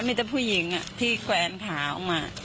มีแต่ผู้หญิงที่แขวนขาออกมา